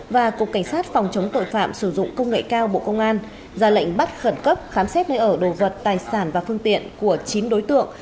và cục cảnh sát phòng chống tội phạm sử dụng công nghệ cao bộ công an ra lệnh bắt khẩn cấp khám xét nơi ở đồ vật tài sản và phương tiện của chín đối tượng